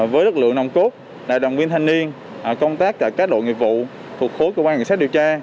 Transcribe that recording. với lực lượng nông cốt đại đồng viên thanh niên công tác cả các đội nghiệp vụ thuộc khối cơ quan kiểm soát điều tra